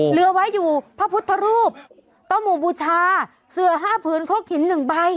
เหลือไว้อยู่พระพุทธรูปตะหมู่บูชาเสือห้าผืนโคกหิน๑ใบ